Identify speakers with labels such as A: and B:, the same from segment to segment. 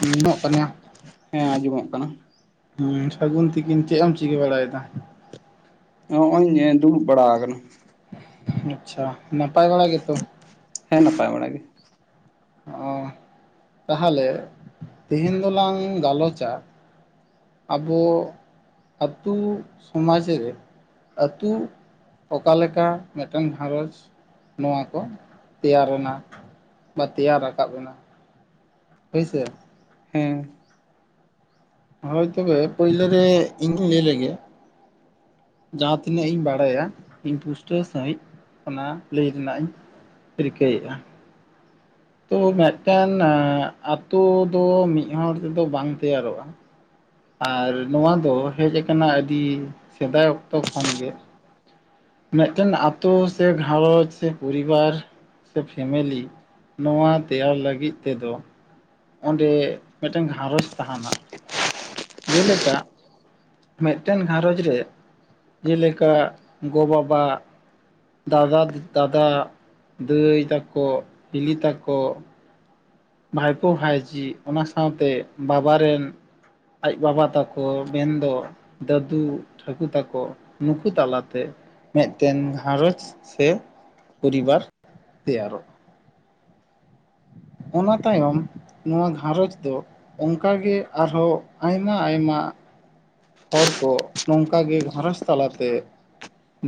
A: ᱧᱟᱢᱚᱜ ᱠᱟᱱᱟ
B: ᱦᱮᱸ ᱟᱸᱡᱚᱢᱚᱜ ᱠᱟᱱᱟ
A: ᱦᱮᱸ ᱥᱟᱹᱜᱩᱱ ᱛᱤᱠᱤᱱ ᱪᱮᱫ ᱮᱢ ᱪᱤᱠᱟᱹ ᱵᱟᱲᱟᱭᱮᱫᱟ
B: ᱱᱚᱜᱼᱚᱭ ᱫᱩᱲᱩᱵ ᱵᱟᱲᱟ ᱟᱠᱟᱱᱟ
A: ᱟᱪᱪᱷᱟ ᱱᱟᱯᱟᱭ ᱵᱟᱲᱟ ᱜᱮ ᱛᱚ
B: ᱦᱮᱸ ᱱᱟᱯᱟᱭ ᱵᱟᱲᱟ ᱜᱮ
A: ᱚ ᱛᱟᱦᱞᱮ ᱛᱮᱦᱮᱧ ᱫᱚᱞᱟᱝ ᱜᱟᱞᱚᱪᱟ ᱟᱵᱚ ᱟᱹᱛᱩ ᱥᱚᱢᱟᱡ ᱨᱮ ᱟᱹᱛᱩ ᱚᱠᱟ ᱞᱮᱠᱟ ᱢᱤᱫᱴᱮᱱ ᱜᱷᱟᱨᱚᱸᱡᱽ ᱱᱚᱣᱟ ᱠᱚ ᱛᱮᱭᱟᱨ ᱮᱱᱟ ᱵᱟ ᱛᱮᱭᱟᱨ ᱨᱟᱠᱟᱵ ᱮᱱᱟ ᱦᱳᱭ ᱥᱮ
B: ᱦᱮᱸ
A: ᱦᱳᱭ ᱛᱚᱵᱮ ᱯᱳᱭᱞᱳ ᱨᱮ ᱤᱧ ᱜᱤᱧ ᱞᱟᱹᱭ ᱞᱮᱜᱮ ᱡᱟᱦᱟᱸ ᱛᱤᱱᱟᱹᱜ ᱤᱧ ᱵᱟᱲᱟᱭᱟ ᱤᱧ ᱯᱩᱥᱴᱟᱹᱣ ᱥᱟᱺᱦᱤᱡ ᱚᱱᱟ ᱞᱟᱹᱭ ᱨᱮᱱᱟᱜ ᱤᱧ ᱨᱤᱠᱟᱭᱮᱫᱟ ᱛᱚ ᱢᱤᱫᱴᱟᱝ ᱟᱛᱳ ᱫᱚ ᱢᱤᱫ ᱦᱚᱲ ᱛᱮᱫᱚ ᱵᱟᱝ ᱛᱮᱭᱟᱨᱚᱜᱼᱟ ᱟᱨ ᱱᱚᱣᱟ ᱫᱚ ᱦᱮᱡ ᱟᱠᱟᱱᱟ ᱟᱹᱰᱤ ᱥᱮᱫᱟᱭ ᱚᱠᱛᱚ ᱠᱷᱚᱱ ᱜᱮ ᱢᱤᱫᱴᱮᱱ ᱟᱛᱳ ᱥᱮ ᱜᱷᱟᱨᱚᱸᱡᱽ ᱥᱮ ᱯᱚᱨᱤᱵᱟᱨ ᱥᱮ ᱯᱷᱮᱢᱮᱞᱤ ᱱᱚᱣᱟ ᱛᱮᱭᱟᱨ ᱞᱟᱹᱜᱤᱫ ᱛᱮᱫᱚ ᱚᱸᱰᱮ ᱢᱤᱫᱴᱟᱝ ᱜᱷᱟᱨᱚᱸᱡᱽ ᱛᱟᱦᱮᱱᱟ ᱡᱮᱞᱮᱠᱟ ᱢᱤᱫᱴᱮᱱ ᱜᱷᱟᱨᱚᱡᱽ ᱨᱮ ᱡᱮᱞᱮᱠᱟ ᱜᱚ ᱵᱟᱵᱟ ᱫᱟᱫᱟ ᱫᱟᱫᱟ ᱫᱟᱹᱭ ᱛᱟᱠᱚ ᱦᱤᱞᱤ ᱛᱟᱠᱚ ᱵᱷᱟᱭᱯᱳ ᱵᱷᱟᱭᱡᱤ ᱚᱱᱟ ᱥᱟᱶᱛᱮ ᱵᱟᱵᱟ ᱨᱮᱱ ᱟᱡ ᱵᱟᱵᱟ ᱛᱟᱠᱚ ᱢᱮᱱᱫᱚ ᱫᱟᱫᱩ ᱴᱷᱟᱹᱠᱩ ᱛᱟᱠᱚ ᱱᱩᱠᱩ ᱛᱟᱞᱟᱛᱮ ᱢᱤᱫᱴᱮᱱ ᱜᱷᱟᱨᱚᱡᱽ ᱥᱮ ᱯᱚᱨᱤᱵᱟᱨ ᱛᱮᱭᱟᱨᱚᱜᱼᱟ ᱦ ᱚᱱᱟ ᱛᱟᱭᱚᱢ ᱱᱚᱣᱟ ᱜᱷᱟᱨᱚᱸᱡᱽ ᱫᱚ ᱚᱱᱠᱟᱜᱮ ᱟᱨᱦᱚᱸ ᱟᱭᱢᱟ ᱟᱭᱢᱟ ᱦᱚᱲ ᱠᱚ ᱱᱚᱝᱠᱟᱜᱮ ᱜᱷᱟᱨᱚᱸᱡᱽ ᱛᱟᱞᱟᱛᱮ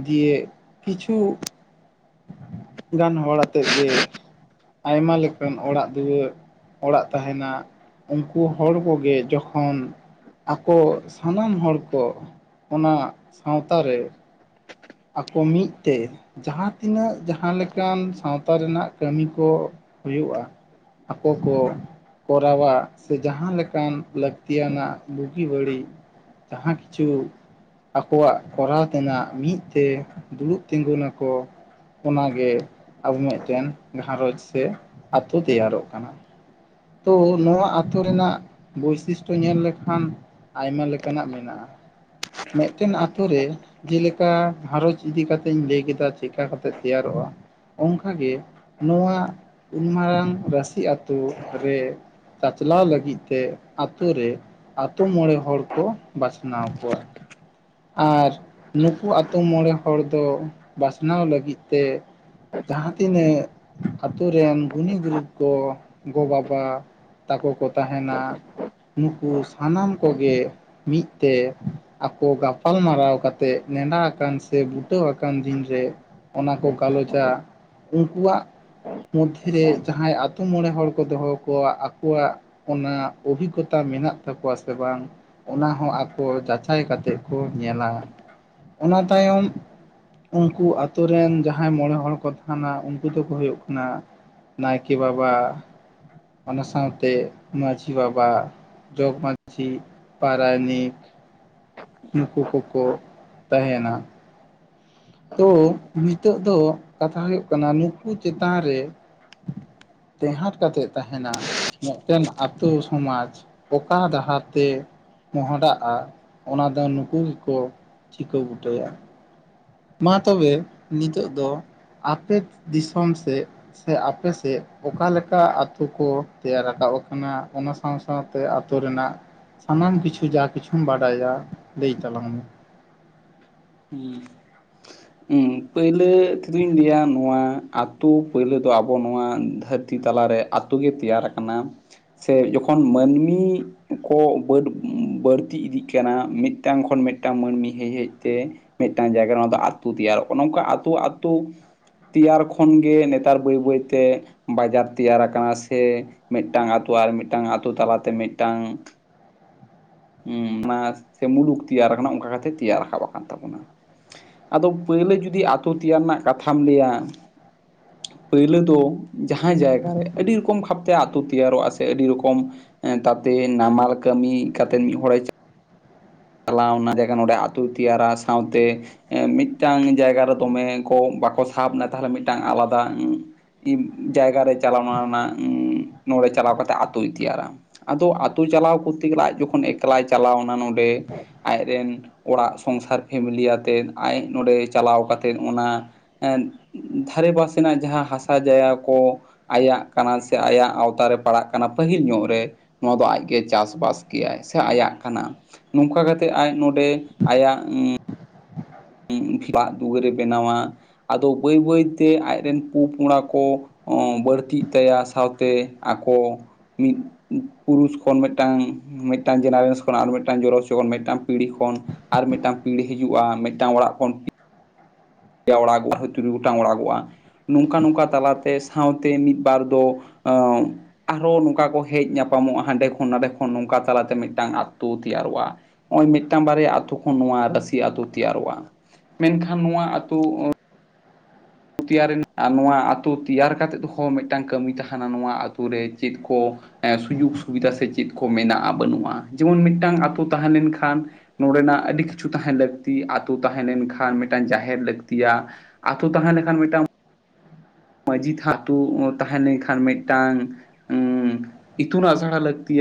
A: ᱫᱤᱭᱮ ᱠᱤᱪᱷᱩ ᱜᱟᱱ ᱦᱚᱲ ᱟᱛᱮᱜ ᱜᱮ ᱟᱭᱢᱟ ᱞᱮᱠᱟᱱ ᱚᱲᱟᱜ ᱫᱩᱣᱟᱹᱨ ᱚᱲᱟᱜ ᱛᱟᱦᱮᱱᱟ ᱩᱱᱠᱩ ᱦᱚᱲ ᱠᱚᱜᱮ ᱡᱚᱠᱷᱚᱱ ᱟᱠᱚ ᱥᱟᱱᱟᱢ ᱦᱚᱲ ᱠᱚ ᱚᱱᱟ ᱥᱟᱶᱛᱟ ᱨᱮ ᱟᱠᱚ ᱢᱤᱫᱛᱮ ᱡᱟᱦᱟᱸ ᱛᱤᱱᱟᱹᱜ ᱡᱟᱦᱟᱸᱞᱮᱠᱟᱱ ᱥᱟᱶᱛᱟ ᱨᱮᱱᱟᱜ ᱠᱟᱹᱢᱤ ᱠᱚ ᱦᱩᱭᱩᱜᱼᱟ ᱟᱠᱚ ᱠᱚ ᱠᱚᱨᱟᱣᱟ ᱥᱮ ᱡᱟᱦᱟᱸ ᱞᱮᱠᱟᱱ ᱞᱟᱹᱠᱛᱤ ᱟᱱᱟᱜ ᱵᱩᱜᱤ ᱵᱟᱹᱲᱤᱡ ᱡᱟᱦᱟᱸ ᱠᱤᱪᱷᱩ ᱟᱠᱚᱣᱟᱜ ᱠᱚᱨᱟᱣ ᱛᱮᱱᱟᱜ ᱢᱤᱫ ᱛᱮ ᱫᱩᱲᱩᱵ ᱛᱤᱸᱜᱩᱱᱟᱠᱚ ᱚᱱᱟᱜᱮ ᱟᱵᱚ ᱢᱤᱫᱴᱮᱱ ᱜᱷᱟᱨᱚᱸᱡᱽ ᱥᱮ ᱟᱛᱳ ᱛᱮᱭᱟᱨᱚᱜ ᱠᱟᱱᱟ ᱛᱚ ᱱᱚᱣᱟ ᱟᱹᱛᱳ ᱨᱮᱱᱟᱜ ᱵᱳᱭᱥᱤᱥᱴᱚ ᱧᱮᱞ ᱞᱮᱠᱷᱟᱱ ᱟᱭᱢᱟ ᱞᱮᱠᱟᱱᱟᱜ ᱢᱮᱱᱟᱜᱼᱟ ᱢᱤᱫᱴᱮᱱ ᱟᱛᱳ ᱨᱮ ᱡᱮᱞᱮᱠᱟ ᱡᱮᱞᱮᱠᱟ ᱜᱷᱟᱨᱚᱸᱡᱽ ᱤᱫᱤ ᱠᱟᱛᱮ ᱤᱧ ᱞᱟᱹᱭ ᱠᱮᱫᱟ ᱪᱮᱠᱟ ᱠᱟᱛᱮᱫ ᱛᱮᱭᱟᱨᱚᱜᱼᱟ ᱚᱱᱠᱟᱜᱮ ᱱᱚᱣᱟ ᱩᱱ ᱢᱟᱨᱟᱝ ᱨᱟᱹᱥᱤ ᱟᱛᱳ ᱨᱮ ᱪᱟᱪᱞᱟᱣ ᱞᱟᱹᱜᱤᱫ ᱟᱛᱳᱨᱮ ᱟᱛᱳ ᱢᱚᱬᱮ ᱦᱚᱲ ᱠᱚ ᱵᱟᱪᱷᱱᱟᱣ ᱠᱚᱣᱟ ᱟᱨ ᱱᱩᱠᱩ ᱟᱛᱳ ᱢᱚᱬᱮ ᱦᱚᱲ ᱫᱚ ᱵᱟᱪᱱᱟᱣ ᱞᱟᱹᱜᱤᱫ ᱛᱮ ᱡᱟᱦᱟᱸ ᱛᱤᱱᱟᱹᱜ ᱟᱛᱳ ᱨᱮᱱ ᱜᱩᱱᱤ ᱜᱩᱨᱩ ᱠᱚ ᱜᱚ ᱵᱟᱵᱟ ᱛᱟᱠᱚ ᱠᱚ ᱛᱟᱦᱮᱱᱟ ᱱᱩᱠᱩ ᱥᱟᱱᱟᱢ ᱠᱚᱜᱮ ᱢᱤᱫ ᱛᱮ ᱟᱠᱚ ᱜᱟᱯᱟᱞ ᱢᱟᱨᱟᱨᱟᱣ ᱠᱟᱛᱮ ᱱᱮᱰᱟ ᱪᱟ ᱟᱠᱟᱱ ᱥᱮ ᱵᱩᱴᱟᱹᱣ ᱟᱠᱟᱱ ᱫᱤᱱ ᱨᱮ ᱚᱱᱟ ᱠᱚ ᱜᱟᱞᱚᱪᱟ ᱩᱱᱠᱩᱣᱟᱜ ᱢᱚᱫᱽᱫᱷᱮ ᱨᱮ ᱡᱟᱦᱟᱸᱭᱛᱳ ᱢᱚᱬᱮ ᱦᱚᱲ ᱫᱚᱦᱚ ᱟᱠᱚᱣᱟᱜ ᱚᱱᱟ ᱚᱵᱷᱤᱜᱚᱛᱟ ᱢᱮᱱᱟᱜ ᱛᱟᱠᱚᱣᱟ ᱥᱮ ᱵᱟᱝ ᱚᱱᱟ ᱦᱚᱸ ᱟᱠᱚ ᱡᱟᱪᱟᱭ ᱠᱟᱛᱮ ᱠᱚ ᱧᱮᱞᱟ ᱚᱱᱟ ᱛᱟᱭᱚᱢ ᱩᱱᱠᱩ ᱟᱛᱳ ᱨᱮᱱ ᱡᱟᱦᱟᱸᱭ ᱢᱚᱬᱮ ᱦᱚᱲ ᱠᱚ ᱛᱟᱦᱮᱱᱟ ᱩᱱᱠᱩ ᱫᱚᱠᱚ ᱦᱩᱭᱩᱜ ᱠᱟᱱᱟ ᱱᱟᱭᱠᱮ ᱵᱟᱵᱟ ᱚᱱᱟ ᱥᱟᱶᱛᱮ ᱢᱟᱹᱡᱷᱤ ᱵᱟᱵᱟ ᱡᱚᱜᱽ ᱢᱟᱱᱷᱤ ᱯᱟᱨᱟᱭᱚᱱᱤᱠ ᱱᱩᱠᱩ ᱠᱚᱠᱚ ᱛᱟᱦᱮᱱᱟ ᱛᱳ ᱱᱤᱛᱚᱜ ᱫᱚ ᱠᱟᱛᱷᱟ ᱦᱩᱭᱩᱜ ᱠᱟᱱᱟ ᱱᱩᱠᱩ ᱪᱮᱛᱟᱱ ᱨᱮ ᱴᱮᱸᱦᱟᱸᱴ ᱠᱟᱛᱮᱫ ᱛᱟᱦᱮᱱᱟ ᱢᱤᱫᱴᱮᱱ ᱟᱛᱳ ᱥᱚᱢᱟᱡ ᱚᱠᱟ ᱰᱟᱦᱟᱨ ᱛᱮ ᱢᱚᱦᱰᱟᱜᱼᱟ ᱚᱱᱟ ᱫᱚ ᱱᱩᱠᱩ ᱜᱮᱠᱚ ᱪᱤᱠᱟᱹ ᱵᱩᱴᱟᱹᱭᱟ ᱢᱟ ᱛᱚᱵᱮ ᱱᱤᱛᱚᱜ ᱫᱚ ᱟᱯᱮ ᱫᱤᱥᱚᱢ ᱥᱮᱫ ᱥᱮ ᱟᱯᱮᱥᱮᱫ ᱚᱠᱟᱞᱮᱠᱟ ᱟᱛᱳ ᱠᱚ ᱛᱮᱭᱟᱨ ᱟᱠᱟᱫᱟ ᱚᱠᱟᱱᱟ ᱚᱱᱟ ᱥᱟᱶ ᱥᱟᱶᱛᱮ ᱟᱹᱛᱩᱳ ᱨᱮᱱᱟᱜ ᱥᱟᱱᱟᱢ ᱠᱤᱪᱷᱩ ᱡᱟ ᱠᱤᱪᱷᱩᱢ ᱵᱟᱰᱟᱭᱟ ᱞᱟᱹᱭ ᱛᱟᱞᱟᱝ ᱢᱮ
B: ᱦᱮᱸ ᱦᱮᱸ ᱯᱳᱭᱞᱳ ᱛᱮᱫᱚᱧ ᱞᱟᱹᱭᱟ ᱱᱚᱣᱟ ᱟᱹᱛᱩᱳ ᱯᱳᱭᱞᱳ ᱫᱚ ᱟᱵᱚ ᱱᱚᱣᱟ ᱫᱷᱟᱹᱨᱛᱤ ᱛᱤ ᱛᱟᱞᱟᱨᱮ ᱟᱛᱳ ᱜᱮ ᱛᱮᱭᱟᱨᱟ ᱟᱠᱟᱱᱟ ᱥᱮ ᱡᱚᱠᱷᱚᱱ ᱢᱟᱹᱱᱢᱤ ᱠᱚ ᱵᱟᱹᱰ ᱵᱟᱹᱲᱛᱤ ᱤᱫᱤᱜ ᱠᱟᱱᱟ ᱢᱤᱫᱴᱟᱝ ᱠᱷᱚᱱ ᱢᱤᱫᱟᱝ ᱢᱟᱹᱱᱢᱤ ᱦᱮᱡ ᱦᱮᱡ ᱛᱮ ᱢᱤᱫᱴᱟᱱ ᱡᱟᱭᱜᱟ ᱱᱚᱣᱟ ᱫᱚ ᱟᱛᱳ ᱛᱮᱭᱟᱨ ᱚᱱᱮ ᱱᱚᱝᱠᱟ ᱟᱛᱳ ᱟᱛᱳ ᱛᱮᱭᱟᱨ ᱠᱷᱚᱱᱜᱮ ᱱᱮᱛᱟᱨ ᱵᱟᱹᱭ ᱵᱟᱹᱭᱛᱮ ᱵᱟᱡᱟᱨ ᱛᱮᱭᱟᱨᱟ ᱟᱠᱟᱱᱟ ᱥᱮ ᱢᱤᱫᱴᱟᱝ ᱟᱹᱛᱩ ᱟᱨ ᱢᱤᱫᱴᱟᱝ ᱟᱹᱛᱩ ᱛᱟᱞᱟᱛᱮ ᱢᱤᱫᱴᱟᱝ ᱦᱮᱸ ᱚᱱᱟ ᱥᱮ ᱢᱩᱞᱩᱠ ᱛᱮᱭᱟᱨ ᱟᱠᱟᱱᱟ ᱚᱱᱠᱟ ᱠᱟᱛᱮᱜ ᱛᱮᱭᱟᱨ ᱨᱟᱠᱟᱵ ᱟᱠᱟᱱ ᱛᱟᱵᱚᱱᱟ ᱟᱫᱚ ᱯᱳᱭᱞᱳ ᱡᱩᱫᱤ ᱟᱛᱳ ᱛᱮᱭᱟᱨ ᱨᱮᱱᱟᱜ ᱠᱟᱛᱷᱟᱢ ᱞᱟᱹᱭᱟ
A: ᱦ [inaudible]
B: ᱯᱳᱭᱞᱟᱹ ᱫᱚ ᱡᱟᱦᱟᱸ ᱡᱟᱭᱜᱟ ᱨᱮ ᱟᱹᱰᱤ ᱨᱚᱠᱚᱢ ᱵᱷᱟᱵᱛᱮ ᱟᱹᱛᱩ ᱛᱮᱭᱟᱨᱚᱜᱼᱟ ᱥᱮ ᱟᱹᱰᱤ ᱨᱚᱠᱚᱢ ᱫᱟᱯ ᱱᱟᱢᱟᱞ ᱠᱟᱹᱢᱤ ᱠᱟᱛᱮᱫ ᱢᱤᱫ ᱦᱚᱲᱮ ᱪᱟᱞᱟᱣᱱᱟ ᱡᱟᱭᱜᱟ ᱱᱚᱸᱰᱮ ᱟᱹᱛᱩ ᱛᱮᱭᱟᱨᱟ ᱥᱟᱶᱛᱮ ᱢᱤᱫᱴᱟᱱ ᱡᱟᱭᱜᱟ ᱨᱮ ᱫᱚᱢᱮ ᱠᱚ ᱵᱟᱠᱚ ᱥᱟᱦᱚᱵᱽ ᱮᱱᱟ ᱛᱟᱦᱚᱞᱮ ᱢᱤᱫᱴᱟᱝ ᱟᱞᱟᱫᱟ ᱩᱸ ᱡᱟᱭᱜᱟᱨᱮ ᱪᱟᱞᱟᱣ ᱮᱱᱟ ᱩᱸ ᱱᱚᱸᱰᱮ ᱪᱟᱞᱟᱣ ᱠᱟᱛᱮᱜ ᱟᱛᱩᱭ ᱛᱮᱭᱟᱨᱟ ᱟᱫᱚ ᱟᱛᱩ ᱪᱟᱞᱟᱣ ᱠᱚᱨᱛᱮ ᱜᱮ ᱞᱟᱡ ᱡᱚᱠᱷᱚᱱ ᱮᱠᱞᱟᱭ ᱪᱟᱞᱟᱣ ᱮᱱᱟ ᱱᱚᱸᱰᱮ ᱟᱡᱨᱮᱱ ᱚᱲᱟᱜ ᱥᱚᱝᱥᱟᱨ ᱯᱷᱮᱢᱮᱞᱤ ᱟᱛᱮᱫ ᱟᱡ ᱱᱚᱸᱰᱮ ᱪᱟᱞᱟᱣ ᱠᱟ ᱠᱟᱛᱮᱮᱫ ᱚᱱᱟ ᱟᱨ [inaudible] ᱫᱷᱟᱨᱮ ᱯᱟᱥᱮᱱᱟᱜ ᱡᱟᱦᱟᱸ ᱦᱟᱥᱟ ᱡᱟᱭᱜᱟ ᱠᱚ ᱟᱭᱟᱜ ᱠᱟᱱᱟ ᱥᱮ ᱟᱭᱟᱜ ᱟᱣᱛᱟᱟᱨ ᱨᱮ ᱯᱟᱲᱟᱜ ᱠᱟᱱᱟ ᱯᱟᱹᱦᱤᱞ ᱧᱚᱜ ᱨᱮ ᱱᱚᱣᱟ ᱫᱚ ᱟᱡᱜᱮ ᱪᱟᱥᱵᱟᱥ ᱜᱮᱭᱟᱭ ᱥᱮ ᱟᱭᱟᱜ ᱠᱟᱱᱟ ᱱᱚᱝᱠᱟ ᱠᱟᱛᱮᱜ ᱟᱡ ᱱᱚᱸᱰᱮ ᱟᱭᱟᱜ ᱩᱸ ᱚᱟᱜ ᱫᱩᱣᱟᱹᱨᱮ ᱵᱮᱱᱟᱣᱟ ᱟᱫᱚ ᱵᱟᱹᱭ ᱵᱟᱹᱭᱛᱮ ᱟᱡᱨᱮᱱ ᱯᱩ ᱯᱩᱝᱲᱟ ᱠᱚ ᱦᱸ ᱵᱟᱹᱲᱛᱤᱜ ᱛᱟᱭᱟ ᱥᱟᱶᱛᱮ ᱟᱠᱚ ᱢᱤᱫ ᱯᱩᱨᱩᱥ ᱠᱷᱚᱱ ᱢᱤᱫᱴᱟᱝ ᱢᱤᱫᱴᱟᱝ ᱡᱮᱱᱟᱨᱮᱥᱚᱱ ᱠᱷᱚᱱ ᱟᱨ ᱢᱤᱫᱴᱟᱝ ᱡᱚᱨᱚᱥᱚ ᱠᱷᱚᱱ ᱢᱤᱫᱴᱟᱝ ᱯᱤᱲᱦᱤ ᱠᱷᱚᱱ ᱟᱨ ᱢᱤᱫᱴᱟᱱ ᱯᱤᱦᱤᱤᱡᱩᱜᱼᱟ ᱢᱤᱫᱴᱟᱝ ᱚᱲᱟᱜ ᱠᱷᱚᱱ ᱯᱮᱭᱟ ᱚᱲᱟᱜᱚᱜᱼᱟ ᱛᱩᱨᱩᱭ ᱜᱚᱴᱟᱝ ᱚᱲᱟᱜᱚᱜᱼᱟ ᱱᱚᱝᱠᱟ ᱱᱚᱝᱠᱟ ᱛᱟᱞᱟᱛᱮ ᱥᱟᱶᱛᱮ ᱢᱤᱫ ᱵᱟᱨ ᱫᱚ ᱚᱸ ᱟᱨᱦᱚ ᱱᱚᱝᱠᱟ ᱠᱚ ᱦᱮᱡ ᱧᱟᱯᱟᱢᱚᱜᱼᱟ ᱦᱟᱸᱰᱮ ᱠᱷᱚᱱ ᱱᱚᱰᱮ ᱠᱷᱚᱱ ᱱᱚᱝᱠᱟ ᱛᱟᱞᱟᱛᱮ ᱢᱤᱫᱴᱟᱝ ᱟᱛᱳ ᱛᱮᱭᱟᱨ ᱱᱚᱜᱼᱚᱭ ᱢᱤᱫᱴᱟᱝ ᱵᱟᱨᱭᱟ ᱟᱛᱳ ᱠᱷᱚᱱ ᱱᱚᱣᱟ ᱨᱟᱟᱹᱥᱤ ᱟᱛᱳ ᱛᱮᱭᱟᱨᱚᱜᱼᱟ ᱢᱮᱱᱠᱷᱟᱱ ᱱᱚᱣᱟ ᱛᱚ ᱛᱮᱭᱟᱨ ᱱᱚᱣᱟᱛᱳ ᱛᱮᱭᱟᱨ ᱠᱟᱛᱮᱫ ᱦᱚᱸ ᱢᱤᱫᱴᱟᱝ ᱠᱟᱹᱢᱤ ᱛᱟᱦᱮᱱᱟ ᱱᱚᱣᱟ ᱟᱛᱳ ᱨᱮ ᱪᱮᱫ ᱠᱚ ᱥᱩᱡᱳᱜᱽ ᱥᱩᱵᱤᱫᱟ ᱥᱮ ᱪᱮᱫ ᱠᱚ ᱢᱮᱱᱟᱜᱼᱟ ᱵᱟᱹᱱᱩᱜᱼᱟ ᱡᱮᱢᱚᱱ ᱢᱤᱫᱴᱟᱝ ᱟᱛᱳ ᱛᱟᱦᱮᱸᱞᱱᱠᱷᱟᱱ ᱱᱚᱰᱮ ᱨᱮᱱᱟᱜ ᱟᱹᱰᱤ ᱠᱤᱪᱷᱩ ᱛᱟᱦᱮᱸᱱ ᱞᱟᱹᱠᱛᱤ ᱟᱛᱳ ᱛᱟᱦᱮᱸ ᱞᱮᱱᱠᱷᱟᱱ ᱢᱤᱫᱴᱟᱝ ᱡᱟᱦᱮᱨ ᱞᱟᱹᱠᱛᱤᱭᱟ ᱟᱛᱳ ᱛᱟᱦᱮᱸ ᱞᱮᱱᱠᱷᱟᱱ ᱢᱤᱫᱽ ᱴᱟᱝ ᱢᱟᱺᱡᱷᱤ ᱟᱹᱛᱩᱳ ᱛᱟᱦᱮᱸ ᱞᱮᱱᱠᱷᱟᱱ ᱢᱤᱫᱴᱟᱝ ᱤᱛᱩᱱ ᱟᱥᱲᱟ ᱞᱟᱹᱠᱛᱤ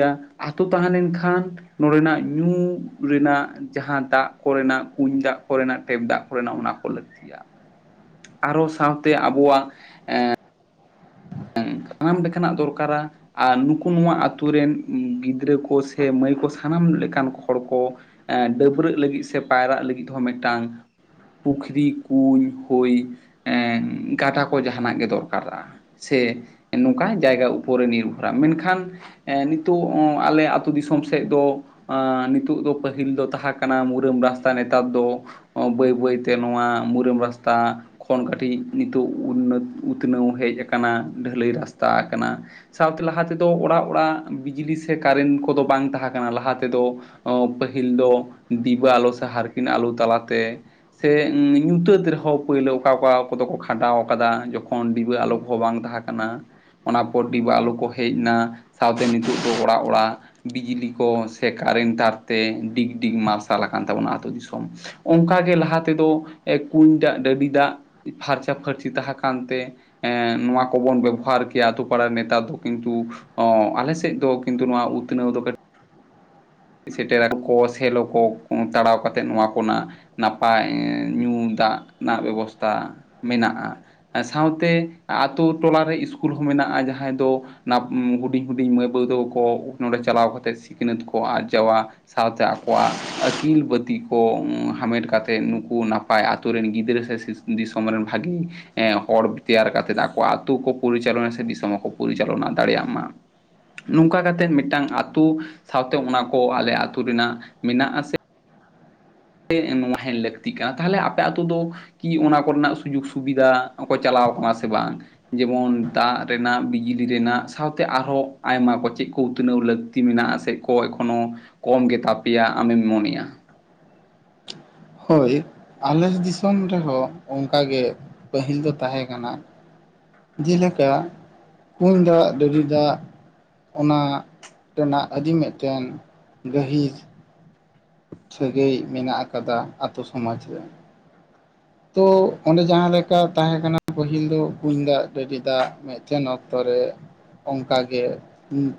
B: ᱟᱛᱳ ᱛᱟᱦᱮᱸ ᱞᱮᱱᱠᱷᱟᱱ ᱱᱚᱰᱮᱱᱟᱜ ᱧᱩ ᱨᱮᱱᱟᱜ ᱡᱟᱸᱦᱟ ᱫᱟᱜ ᱠᱚᱨᱮᱱᱟᱜ ᱠᱩᱧ ᱫᱟᱜ ᱠᱚᱨᱮᱱᱟᱜ ᱴᱮᱯ ᱫᱟᱜ ᱠᱚᱨᱮᱱᱟᱜ ᱚᱱᱟ ᱠᱚ ᱞᱟᱹᱠᱛᱤᱭᱟ ᱟᱨᱚ ᱥᱟᱶᱛᱮ ᱟᱵᱚᱣᱟᱜ ᱮᱸ
A: [inaudible]
B: ᱥᱟᱱᱟᱢ ᱞᱮᱠᱟᱱᱟᱜ ᱫᱚᱨᱠᱟᱨᱟ ᱟᱨ ᱱᱩᱠᱩ ᱱᱚᱣᱟ ᱟᱛᱩ ᱨᱮᱱ ᱜᱤᱫᱽᱨᱟᱹ ᱠᱚ ᱥᱮ ᱢᱟᱹᱭ ᱠᱚ ᱥᱟᱱᱟᱢ ᱞᱮᱠᱟᱱ ᱦᱚᱲ ᱠᱚ ᱮᱸ ᱰᱟᱹᱵᱨᱟᱹᱜ ᱞᱟᱹᱜᱤᱫ ᱥᱮ ᱯᱟᱭᱨᱟᱜ ᱞᱟᱹᱜᱤᱫ ᱦᱚᱸ ᱢᱤᱫᱴᱟᱝ ᱯᱩᱠᱷᱨᱤ ᱠᱩᱧ ᱦᱳᱭ ᱮᱸ ᱜᱟᱰᱟ ᱠᱚ ᱡᱟᱸᱦᱟᱱᱟᱜ ᱜᱮ ᱫᱚᱨᱠᱟᱨᱟ ᱥᱮ ᱱᱚᱝᱠᱟ ᱡᱟᱭᱜᱟ ᱩᱯᱚᱨᱮ ᱱᱤᱨᱵᱷᱚᱨᱟ ᱢᱮᱱᱠᱷᱟᱱ ᱮᱸ ᱱᱤᱛᱚᱜ ᱟᱞᱮ ᱟᱛᱳ ᱫᱤᱥᱚᱢ ᱥᱮᱫ ᱫᱚ ᱮᱸ ᱱᱤᱛᱚᱜ ᱫᱚ ᱯᱟᱹᱦᱤᱞ ᱫᱚ ᱛᱟᱦᱮᱸ ᱠᱟᱱᱟ ᱢᱩᱩᱨᱟᱹᱢ ᱨᱟᱥᱛᱟ ᱱᱮᱛᱟᱨ ᱫᱚ ᱵᱟᱹᱭ ᱵᱟᱹᱭᱛᱮ ᱱᱚᱣᱟ ᱢᱩᱨᱟᱹᱢ ᱨᱟᱥᱛᱟ ᱠᱷᱚᱱ ᱠᱟᱹᱴᱤᱡ ᱱᱤᱛᱚᱜ ᱩᱛᱱᱟᱹᱛ ᱩᱛᱱᱟᱹᱶ ᱦᱮᱡ ᱟᱠᱟᱱᱟ ᱟᱠᱟᱱᱟ ᱰᱷᱟᱹᱞᱟᱹᱭ ᱨᱟᱥᱛᱟ ᱟᱠᱟᱱᱟ ᱥᱟᱶᱛᱮ ᱞᱟᱦᱟ ᱛᱮᱫᱚ ᱚᱲᱟᱜ ᱚᱲᱟᱜ ᱵᱤᱡᱽᱞᱤ ᱥᱮ ᱠᱟᱨᱮᱱᱴ ᱠᱚᱫᱚ ᱵᱟᱝ ᱵᱟᱝ ᱛᱟᱦᱮᱸ ᱠᱟᱱᱟ ᱞᱟᱦᱟ ᱛᱮᱫᱚ ᱚᱸ ᱯᱟᱹᱦᱤᱞ ᱫᱚ ᱰᱤᱵᱟᱹ ᱟᱞᱚ ᱥᱮ ᱦᱮᱨᱟᱠᱤᱱ ᱟᱞᱚ ᱛᱟᱞᱟᱛᱮ ᱥᱮ ᱧᱩᱛᱟᱹᱛ ᱨᱮᱦᱚᱸ ᱯᱳᱭᱞᱳ ᱚᱠᱟ ᱚᱠᱟ ᱠᱚᱫᱚ ᱠᱚ ᱠᱷᱟᱸᱰᱟᱣ ᱟᱠᱟᱫᱟ ᱡᱚᱠᱷᱚᱱ ᱰᱤᱵᱟᱹ ᱟᱞᱚ ᱦᱚᱸ ᱵᱟᱝ ᱛᱟᱦᱮᱸ ᱠᱟᱱᱟ ᱚᱱᱟ ᱯᱚᱨ ᱰᱤᱵᱟᱹ ᱟᱞᱚ ᱠᱚ ᱦᱮᱡ ᱱᱟ ᱥᱟᱶᱛᱮ ᱱᱤᱛᱚᱜ ᱫᱚ ᱚᱲᱟᱜ ᱚᱲᱟᱜ ᱵᱤᱡᱽᱞᱤ ᱠᱚ ᱥᱮᱠᱟ ᱠᱟᱨᱮᱱ ᱛᱟᱨ ᱛᱮ ᱰᱤᱜᱽ ᱰᱤᱜᱽ ᱢᱟᱨᱥᱟᱞ ᱟᱠᱟᱱ ᱛᱟᱵᱚᱱᱟ ᱟᱛᱳ ᱫᱤᱥᱚᱢ ᱚᱱᱠᱟᱜᱮ ᱞᱟᱦᱟ ᱛᱮᱫᱚ ᱠᱩᱧ ᱫᱟᱜ ᱰᱟᱹᱰᱤ ᱫᱟᱜ ᱯᱷᱟᱨᱪᱟᱼ ᱯᱷᱷᱟᱨᱪᱤ ᱛᱟᱦᱮᱸ ᱠᱟᱱᱛᱮ ᱮᱸ ᱱᱚᱣᱟ ᱠᱚᱵᱚᱱ ᱵᱮᱵᱚᱦᱟᱨ ᱠᱮᱭᱟ ᱟᱛᱳ ᱯᱟᱲᱟ ᱨᱮ ᱱᱮᱛᱟᱨ ᱫᱚ ᱠᱤᱱᱛᱩ ᱚᱸ ᱟᱞᱮ ᱥᱮᱫ ᱫᱚ ᱠᱤᱱᱛᱩ ᱱᱚᱣᱟ ᱩᱛᱱᱟᱹᱣ ᱫᱚᱠ [unintelligible] ᱥᱮᱴᱮᱨᱟ ᱠᱚ ᱥᱮᱞᱚ ᱠᱚ ᱛᱟᱲᱟᱣ ᱠᱟᱛᱮ ᱱᱚᱣᱟ ᱠᱚᱨᱮᱱᱟᱜ ᱱᱟᱯᱟᱭ ᱧᱩ ᱫᱟᱜ ᱨᱮᱱᱟᱜ ᱵᱮᱵᱚᱥᱛᱟ ᱢᱮᱱᱟᱜᱼᱟ ᱥᱟᱶᱛᱮ ᱟᱛᱳ ᱴᱚᱞᱟ ᱨᱮ ᱤᱥᱠᱩᱞ ᱦᱚᱸ ᱢᱮᱱᱟᱜᱼᱟ ᱢᱮᱱᱟᱜᱼᱟ ᱡᱟᱦᱟᱸᱭ ᱫᱚ ᱦᱩᱰᱤᱧ ᱦᱩᱰᱤᱧ ᱢᱟᱹᱭ ᱵᱟᱹᱵᱩ ᱛᱟᱠᱚ ᱠᱚ ᱱᱚᱸᱰᱮ ᱪᱟᱞᱟᱣ ᱠᱟᱛᱮ ᱥᱤᱠᱷᱱᱟᱹᱛ ᱠᱚ ᱟᱨ ᱡᱟ [unintelligible] ᱥᱟᱶᱛᱮ ᱟᱠᱚᱣᱟᱜ ᱟᱹᱠᱤᱞ ᱵᱟᱹᱛᱤ ᱠᱚ ᱦᱟᱢᱮᱴ ᱠᱟᱛᱮ ᱱᱩᱠᱩ ᱱᱟᱯᱟᱭ ᱟᱛᱳ [unintelligible] ᱜᱤᱫᱽᱨᱟᱹ ᱥᱮ ᱫᱤᱥᱚᱢ ᱨᱮᱱ ᱵᱷᱟᱜᱤ ᱮᱸ ᱦᱚᱲ ᱛᱮᱭᱟᱨ ᱠᱟᱛᱮᱫ ᱟᱠᱚ ᱟᱛᱳ ᱠᱚ ᱯᱚᱨᱤᱪᱟᱞᱱᱟᱭᱟ ᱥᱮ ᱫᱤᱥᱚᱢ ᱦᱚᱸ ᱠᱚ ᱯᱚᱨᱤᱪᱟᱞᱚᱱᱟ ᱫᱟᱲᱮᱭᱟᱜ ᱢᱟ ᱱᱚᱝᱠᱟ ᱠᱟᱛᱮ ᱢᱤᱫᱴᱟᱝ ᱟᱛᱳ ᱥᱟᱶᱛᱮ ᱚᱱᱟ ᱠᱚ ᱟᱞᱮ ᱟ ᱟᱹᱛᱩ ᱨᱮᱱᱟᱜ ᱢᱮᱱᱟᱜ ᱟᱥᱮ [unintelligible] ᱱᱚᱣᱟ ᱦᱮᱡ ᱞᱟᱹᱠᱛᱤᱜ ᱠᱟᱱᱟ ᱛᱟᱦᱚᱞᱮ ᱟᱯᱮ ᱟᱛᱳ ᱫᱚ ᱠᱤ ᱚᱱᱟ ᱠᱚᱨᱮᱱᱟᱜ ᱥᱩᱡᱳᱜᱽ ᱥᱩᱵᱤᱫᱷᱟ ᱠᱚ ᱪᱟᱞᱟᱣ [unintelligible] ᱥᱮ ᱵᱟᱝ ᱡᱮᱢᱚᱱ ᱫᱟᱜ ᱨᱮᱱᱟᱜ ᱵᱤᱡᱽᱞᱤ ᱨᱮᱱᱟᱜ ᱥᱟᱶᱛᱮ ᱟᱨᱦᱚᱸ ᱟᱭᱢᱟ ᱠᱚ ᱪᱮᱫ ᱠᱚ ᱩᱛᱱᱟᱹᱣ ᱞᱟᱹᱠᱛᱤ ᱢᱮᱱᱟᱜ-ᱟ ᱥᱮ ᱠᱚ ᱮᱠᱷᱚᱱᱳ ᱠᱚᱢ ᱜᱮᱛᱟᱯᱮᱭᱟ ᱟᱢᱮᱢ ᱢᱚᱱᱮᱭᱟ
A: ᱦᱳᱭ ᱟᱞᱮ ᱫᱤᱥᱚᱢ ᱨᱮᱦᱚᱸ ᱚᱱᱠᱟᱜᱮ ᱯᱟᱹᱦᱤᱞ ᱫᱚ ᱛᱟᱸᱦᱮ ᱠᱟᱱᱟ ᱡᱮᱞᱮᱠᱟ ᱠᱩᱧ ᱫᱟᱜ ᱰᱟᱹᱰᱤ ᱫᱟᱜ ᱚᱱᱟ ᱨᱮᱱᱟᱜ ᱟᱹᱰᱤ ᱢᱤᱫᱴᱮᱱ ᱜᱟᱹᱦᱤᱨ ᱥᱟᱹᱜᱟᱹᱭ ᱢᱮᱱᱟᱜ ᱟᱠᱟᱫᱟ ᱟᱛᱳ ᱥᱚᱢᱟᱡ ᱨᱮ ᱛᱚ ᱚᱱᱮ ᱡᱟᱸᱦᱟ ᱞᱮᱠᱟ ᱛᱟᱦᱮᱸ ᱠᱟᱱᱟ ᱯᱟᱹᱦᱤᱞ ᱫᱚ ᱠᱩᱧ ᱫᱟᱜ ᱰᱟᱹᱰᱤ ᱫᱟᱜ ᱢᱤᱫᱴᱮᱱ ᱚᱠᱛᱚ ᱨᱮ ᱚᱱᱠᱟᱜᱮ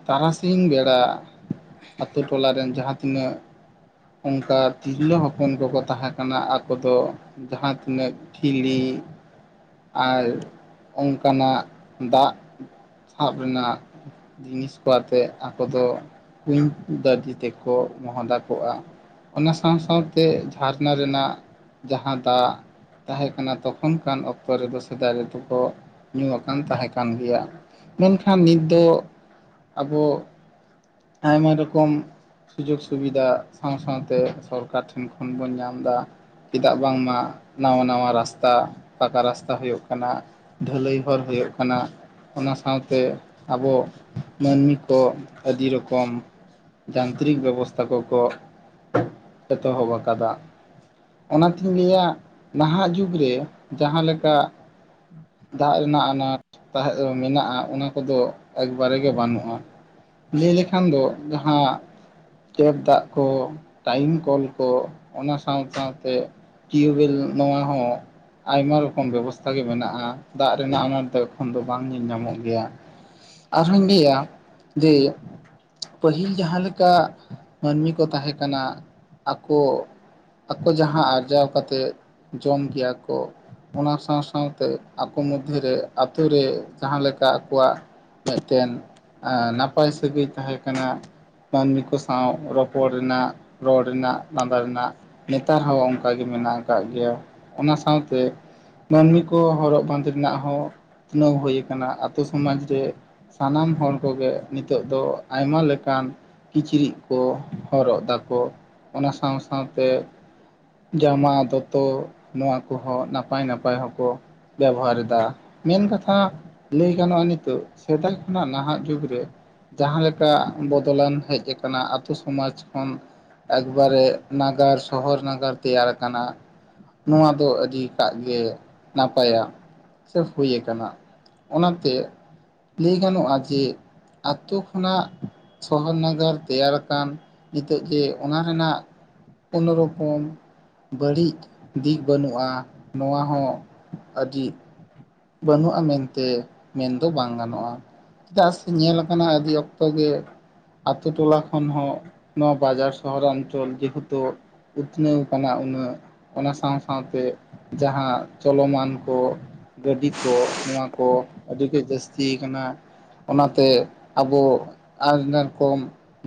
A: ᱛᱟᱨᱟᱥᱤᱧ ᱵᱮᱲᱟ ᱟᱛᱳ ᱴᱚᱞᱟᱨᱮᱱ ᱡᱟᱦᱟᱸ ᱛᱤᱱᱟᱹᱜ ᱚᱱᱠᱟ ᱛᱤᱨᱞᱟᱹ ᱦᱚᱯᱚᱱ ᱠᱚᱠᱚ ᱛᱟᱦᱮᱸ ᱠᱟᱱᱟ ᱟᱠᱚ ᱫᱚ ᱡᱟᱦᱟᱸ ᱛᱤᱱᱟᱹᱜ ᱴᱷᱤᱞᱤ [inaudible] ᱟᱨ ᱚᱱᱠᱟᱱᱟᱜ ᱫᱟᱜ ᱥᱟᱵ ᱨᱮᱱᱟᱜ ᱡᱤᱱᱤᱥ ᱠᱚ ᱟᱛᱮ ᱟᱠᱚ ᱫᱚ ᱠᱩᱧ ᱰᱟᱹᱰᱤ ᱛᱮᱠᱚ ᱢᱚᱦᱚᱰᱟ ᱠᱚᱜᱼᱟ ᱚᱱᱟ ᱥᱟᱶ ᱥᱟᱶᱛᱮ ᱡᱷᱟᱨᱱᱟ ᱨᱮᱱᱟᱜ ᱡᱟᱸᱦᱟ ᱫᱟᱜ ᱛᱟᱸᱦᱮ ᱠᱟᱱᱟ ᱛᱚᱠᱷᱚᱱ ᱠᱟᱱ ᱚᱠᱛᱚ ᱨᱮᱫᱚ ᱥᱮᱫᱟᱭ ᱨᱮᱫᱚ ᱠᱚ ᱧᱩ ᱟᱠᱟᱱ ᱛᱟᱸᱦᱮ ᱠᱟᱱ ᱜᱮᱭᱟ ᱢᱮᱱᱠᱷᱟᱱ ᱱᱤᱛ ᱫᱚ ᱟᱵᱚ ᱟᱭᱢᱟ ᱨᱚᱠᱚᱢ ᱥᱩᱡᱳᱜᱽ ᱥᱩᱵᱤᱫᱷᱟ ᱥᱟᱶ ᱥᱟᱶᱛᱮ ᱥᱚᱨᱠᱟᱨ ᱴᱷᱮᱱ ᱠᱷᱚᱱ ᱵᱚᱱ ᱧᱟᱢ ᱮᱫᱟ ᱪᱮᱫᱟᱜ ᱵᱟᱝᱢᱟ ᱱᱟᱣᱟ ᱱᱟᱶᱟ ᱨᱟᱥᱛᱟ ᱯᱟᱠᱟ ᱨᱟᱥᱛᱟ ᱦᱩᱭᱩᱜ ᱠᱟᱱᱟ ᱰᱷᱟᱹᱞᱟᱹᱭ ᱦᱚᱨ ᱦᱩᱭᱩᱜ ᱠᱟᱱᱟ [unintelligible] ᱦᱩᱭᱩᱜ ᱠᱟᱱᱟ ᱚᱱᱟ ᱥᱟᱶᱛᱮ ᱟᱵᱚ ᱢᱟᱹᱱᱢᱤ ᱠᱚ ᱟᱹᱰᱤ ᱨᱚᱠᱚᱢ ᱡᱟᱱᱛᱨᱤᱠ ᱵᱮᱵᱚᱥᱛᱷᱟ ᱠᱚᱠᱚ ᱮᱛᱚᱦᱚᱵ ᱟᱠᱟᱫᱟ ᱚᱱᱟᱛᱤᱧ ᱞᱟᱹᱭᱟ ᱱᱟᱦᱟᱜ ᱡᱩᱜᱽᱨᱮ ᱡᱟᱸᱦᱟ ᱞᱮᱠᱟ ᱫᱟᱜ ᱨᱮᱱᱟᱜ ᱟᱱᱟᱴ ᱛᱟᱦᱮᱸ ᱫᱚ ᱢᱮᱱᱟᱜᱼᱟ ᱚᱱᱟ ᱠᱚᱫᱚ ᱮᱠᱵᱟᱨᱮ ᱜᱮ ᱵᱟᱹᱱᱩᱜᱼᱟ ᱞᱟᱹᱭ ᱞᱮᱠᱷᱟᱱ ᱫᱚ ᱡᱟᱦᱟᱸ ᱴᱮᱯ ᱫᱟᱜ ᱠᱚ ᱴᱟᱭᱤᱢ ᱠᱚᱞ ᱠᱚ ᱚᱱᱟ ᱥᱟᱶ ᱥᱟᱶᱛᱮ ᱴᱤᱭᱩᱵᱮᱞ ᱱᱚᱣᱟ ᱦᱚᱸ ᱟᱭᱢᱟ ᱨᱚᱠᱚᱢ ᱵᱮᱵᱚᱥᱛᱷᱟ ᱜᱮ ᱢᱮᱱᱟᱜᱼᱟ ᱫᱟᱜ ᱨᱮᱱᱟᱜ ᱟᱱᱟᱴ ᱫᱚ ᱮᱠᱷᱚᱱ ᱫᱚ ᱵᱟᱝ ᱧᱮᱞ ᱧᱟᱢᱚᱜ ᱜᱮᱭᱟ ᱟᱨᱦᱩᱧ ᱞᱟᱹᱭᱟ ᱡᱮ ᱯᱟᱹᱦᱤᱞ ᱡᱟᱦᱟᱸ ᱞᱮᱠᱟ ᱢᱟᱹᱱᱢᱤ ᱠᱚ ᱛᱟᱦᱮᱸ ᱠᱟᱱᱟ ᱟᱠᱚ ᱟᱠᱚ ᱡᱟᱦᱟᱸ ᱟᱨᱡᱟᱣ ᱠᱟᱛᱮᱫ ᱡᱚᱢ ᱜᱮᱭᱟ ᱠᱚ ᱚᱱᱟ ᱥᱟᱶ ᱥᱟᱶᱛᱮ ᱟᱠᱚ ᱢᱚᱫᱽᱫᱷᱮᱨᱮ ᱟᱹᱛᱩᱨ ᱨᱮ ᱡᱟᱦᱟᱸ ᱞᱮᱠᱟ ᱟᱠᱚᱣᱟᱜ ᱢᱤᱫᱴᱮᱱ ᱱᱟᱯᱟᱭ ᱥᱟᱹᱜᱟᱹᱭ ᱛᱟᱦᱮᱸ ᱠᱟᱱᱟ ᱢᱟᱹᱱᱢᱤ ᱠᱚ ᱥᱟᱶ ᱨᱚᱯᱚᱲ ᱨᱚᱯᱚᱲ ᱨᱮᱱᱟᱜ ᱨᱚᱲ ᱨᱮᱱᱟᱜ ᱞᱟᱸᱫᱟ ᱨᱮᱱᱟᱜ ᱱᱮᱛᱟᱨ ᱦᱚᱸ ᱚᱱᱠᱟ ᱜᱮ ᱢᱮᱱᱟᱜ ᱟᱠᱟᱫ ᱜᱮᱭᱟ ᱚᱱᱟ ᱥᱟᱶᱛᱮ ᱢᱟᱹᱱᱢᱤ ᱠᱚ ᱦᱚᱨᱚᱜ ᱵᱟᱸᱫᱮ ᱨᱮᱱᱟᱜ ᱦᱚᱸ ᱩᱛᱱᱟᱹᱣ ᱦᱩᱭ ᱟᱠᱟᱱᱟ ᱟᱛᱳ ᱥᱚᱢᱟᱡ ᱨᱮ ᱥᱟᱱᱟᱢ ᱦᱚᱲ ᱠᱚᱜᱮ ᱱᱤᱛᱚᱜ ᱫᱚ ᱟᱭᱢᱟ ᱞᱮᱠᱟᱱ ᱠᱤᱪᱨᱤᱫ ᱠᱚ ᱦᱚᱨᱚᱜ ᱫᱟᱠᱚ ᱚᱱᱟ ᱥᱟᱶ ᱥᱟᱶᱛᱮ ᱡᱟᱢᱟ ᱫᱚᱛᱚ ᱱᱚᱣᱟ ᱠᱚᱦᱚᱸ ᱱᱟᱯᱟᱭ ᱱᱟᱯᱟᱭ ᱦᱚᱸᱠᱚ ᱵᱮᱵᱚᱦᱟᱨᱮᱫᱟ ᱢᱮᱱ ᱠᱟᱛᱷᱟ ᱞᱟᱹᱭ ᱜᱟᱱᱚᱜᱼᱟ ᱱᱤᱛᱚᱜ ᱥᱮᱫᱟᱭ ᱠᱷᱚᱱᱟᱜ ᱱᱟᱦᱟᱜ ᱡᱩᱜᱽᱨᱮ ᱡᱟᱦᱟᱸ ᱞᱮᱠᱟ ᱵᱚᱫᱚᱞᱟᱱ ᱦᱮᱡ ᱟᱠᱟᱱᱟ ᱟᱛᱳ ᱥᱚᱢᱟᱡᱽ ᱠᱷᱚᱱ ᱮᱠᱵᱟᱨᱮ ᱱᱟᱜᱟᱨ ᱥᱚᱦᱚᱨ ᱱᱟᱜᱟᱨ ᱛᱮᱭᱟᱨ ᱟᱠᱟᱱᱟ ᱱᱚᱣᱟ ᱫᱚ ᱟᱹᱰᱤᱴᱟᱜ ᱜᱮ ᱱᱟᱯᱟᱭᱟ ᱥᱮ ᱦᱩᱭ ᱟᱠᱟᱱᱟ ᱚᱱᱟᱛᱮ ᱞᱟᱹᱭ ᱜᱟᱱᱚᱜᱼᱟ ᱡᱮ ᱟᱛᱳ ᱠᱷᱚᱱᱟᱜ ᱥᱚᱦᱚᱨ ᱱᱟᱜᱟᱨ ᱛᱮᱭᱟᱨ ᱟᱠᱟᱱ ᱱᱤᱛᱚᱜ ᱡᱮ ᱚᱱᱟ ᱨᱮᱱᱟᱜ ᱠᱚᱱ ᱨᱚᱯᱚᱱ ᱵᱟᱹᱲᱤᱡ ᱫᱤᱠ ᱵᱟᱹᱱᱩᱜᱼᱟ ᱱᱚᱣᱟ ᱦᱚᱸ ᱟᱹᱰᱤ ᱵᱟᱹᱱᱩᱜᱼᱟ ᱢᱮᱱᱛᱮ ᱢᱮᱱᱫᱚ ᱵᱟᱝ ᱜᱟᱱᱚᱜᱼᱟ ᱪᱮᱫᱟᱜ ᱥᱮ ᱧᱮᱞ ᱟᱠᱟᱱᱟ ᱟᱹᱰᱤ ᱚᱠᱛᱚ ᱜᱮ ᱟᱛᱳ ᱴᱚᱞᱟ ᱠᱷᱚᱱ ᱦᱚᱸ ᱱᱚᱣᱟ ᱵᱟᱡᱟᱨ ᱥᱚᱦᱚᱨ ᱚᱧᱪᱚᱞ ᱡᱮᱦᱮᱛᱩ ᱩᱛᱱᱟᱹᱣ ᱟᱠᱟᱱᱟ ᱩᱱᱟᱹᱜ ᱚᱱᱟ ᱥᱟᱶ ᱥᱟᱶᱛᱮ ᱡᱟᱦᱟᱸ ᱪᱚᱞᱚᱢᱟᱱ ᱠᱚ ᱜᱟᱹᱰᱤ ᱠᱚ ᱱᱚᱣᱟ ᱠᱚ ᱟᱹᱰᱤᱜ ᱡᱟᱹᱥᱛᱤ ᱠᱟᱱᱟ ᱚᱱᱟᱛᱮ ᱟᱵᱚ ᱟᱭᱢᱟ ᱨᱚᱠᱚᱢ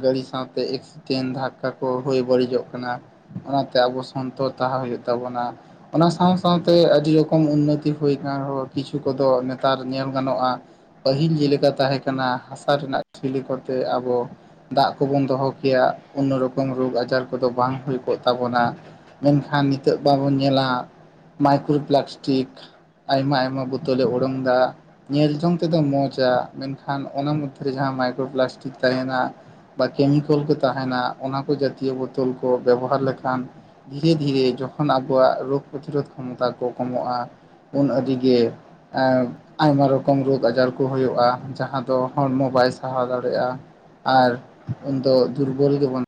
A: ᱜᱟᱹᱰᱤ ᱥᱟᱶᱛᱮ ᱛᱮᱱ ᱫᱷᱟᱠᱠᱟ ᱠᱚ ᱦᱩᱭ ᱵᱟᱹᱲᱤᱡᱚᱜ ᱠᱟᱱᱟ ᱚᱱᱟᱛᱮ ᱟᱵᱚ ᱥᱚᱱᱛᱚᱨ ᱛᱟᱦᱮᱸ ᱦᱩᱭᱩᱜ ᱛᱟᱵᱚᱱᱟ ᱚᱱᱟ ᱥᱟᱶ ᱥᱟᱶᱛᱮ ᱟᱹᱰᱤ ᱨᱚᱠᱚᱢ ᱩᱱᱱᱚᱛᱤ ᱦᱩᱭ ᱟᱠᱟᱱ ᱨᱮᱦᱚᱸ ᱠᱤᱪᱷᱩ ᱠᱚᱫᱚ ᱱᱮᱛᱟᱨ ᱧᱮᱞ ᱜᱟᱱᱚᱜᱼᱟ ᱯᱟᱹᱦᱤᱞ ᱡᱮᱞᱮᱠᱟ ᱛᱟᱦᱮᱸ ᱠᱟᱱᱟ ᱦᱟᱥᱟ ᱨᱮᱱᱟᱜ ᱴᱷᱤᱠ ᱠᱚᱛᱮ ᱟᱵᱚ ᱫᱟᱜ ᱠᱚᱵᱚᱱ ᱫᱚᱦᱚ ᱠᱮᱭᱟ ᱠᱳᱱᱳ ᱨᱚᱠᱚᱢ ᱨᱳᱜᱽ ᱟᱡᱟᱨ ᱠᱚᱫᱚ ᱵᱟᱝ ᱦᱩᱭ ᱠᱚᱜ ᱛᱟᱵᱚᱱᱟ ᱢᱮᱱᱠᱷᱟᱱ ᱱᱤᱛᱚᱜ ᱵᱟᱵᱚᱱ ᱧᱮᱞᱟ ᱢᱟᱭᱠᱨᱳ ᱯᱞᱟᱥᱴᱤᱠ ᱟᱭᱢᱟ ᱟᱭᱢᱟ ᱵᱚᱛᱚᱞᱮ ᱩᱰᱚᱝ ᱮᱫᱟ ᱧᱮᱞ ᱡᱚᱝ ᱛᱮᱫᱚ ᱢᱚᱸᱡᱟ ᱢᱮᱱᱠᱷᱟᱱ ᱚᱱᱟ ᱢᱚᱫᱽᱫᱷᱮᱨᱮ ᱡᱟᱦᱟᱸ ᱢᱟᱭᱠᱨᱳ ᱯᱞᱟᱥᱴᱤᱠ ᱛᱟᱦᱮᱸᱱᱟ ᱠᱮᱢᱤᱠᱮᱞ ᱠᱚ ᱛᱟᱦᱮᱱᱟ ᱛᱟᱦᱮᱱᱟ ᱚᱱᱟ ᱠᱚ ᱡᱟᱹᱛᱤᱭᱚ ᱵᱳᱛᱳᱚᱞ ᱠᱚ ᱵᱮᱵᱚᱦᱟᱨ ᱞᱮᱠᱷᱟᱱ ᱫᱷᱤᱨᱮ ᱫᱷᱤᱨᱮ ᱡᱚᱠᱷᱚᱱ ᱟᱵᱚᱣᱟᱜ ᱨᱳᱜ ᱯᱨᱚᱛᱤᱨᱳᱫ ᱠᱷᱚᱢᱚᱛᱟ ᱠᱚ ᱠᱚᱢᱚᱜᱼᱟ ᱩᱱ ᱟᱹᱰᱤᱤᱜᱮ ᱟᱭᱢᱟ ᱨᱚᱠᱚᱢ ᱨᱳᱜᱽ ᱟᱡᱟᱨ ᱠᱚ ᱦᱩᱭᱩᱜᱼᱟ ᱡᱟᱦᱟᱸ ᱫᱚ ᱦᱚᱲᱢᱚ ᱵᱟᱭ ᱥᱟᱦᱟᱣ ᱫᱟᱲᱮᱭᱟᱜᱼᱟ ᱟᱨ ᱩᱱ ᱫᱚ ᱫᱩᱨᱵᱚᱞ ᱜᱮᱵᱚᱱ